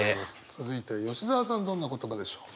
続いて吉澤さんどんな言葉でしょう。